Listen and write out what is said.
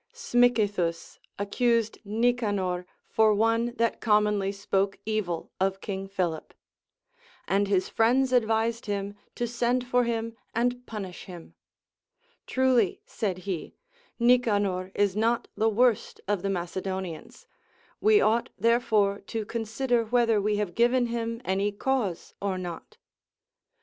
Smicythus accused Nicanor for one that commonly spoke evil of King Philip ; and his friends advised him to send for him and punish him. Truly, said he, Nicanor is not the worst of the Macedonians ; we ought therefore to consider whether we have given him any cause or not.